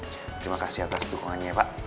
terima kasih atas dukungannya ya pak